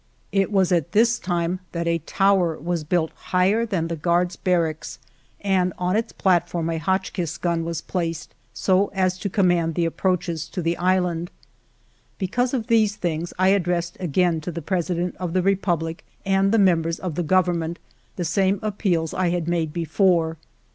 It was at this time that a tower was built higher than the guards* barracks, and on its platform a ALFRED DREYFUS 267 Hotchkiss gun was placed so as to command the approaches to the island. Because of these things I addressed again to the President of the Republic and the members of the Government the same appeals I had made before.